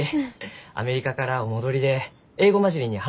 アメリカからお戻りで英語交じりに話されます。